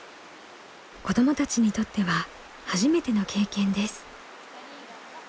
子どもたちにとっては初めての経験です。